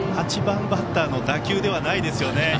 ８番バッターの打球ではないですよね。